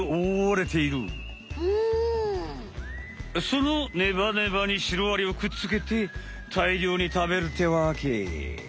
そのネバネバにシロアリをくっつけてたいりょうに食べるってわけ！